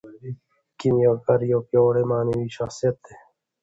کیمیاګر یو پیاوړی معنوي شخصیت دی.